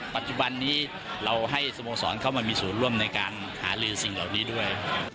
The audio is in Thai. ปัจจุบันนี้เราให้สโมสรเข้ามามีส่วนร่วมในการหาลือสิ่งเหล่านี้ด้วย